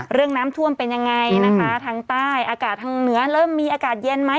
เรื่องน้ำท่วมเป็นยังไงนะคะทางใต้อากาศทางเหนือเริ่มมีอากาศเย็นไหม